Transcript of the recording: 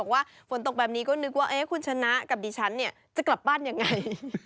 ว่าฝนตกแบบนี้ก็นึกว่าคุณชนะกับดิฉันเนี่ยจะกลับบ้านยังไง